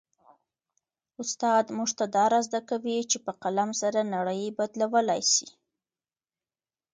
استاد موږ ته را زده کوي چي په قلم سره نړۍ بدلولای سي.